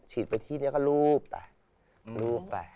ฉีดไปที่นี้ก็ลูบไป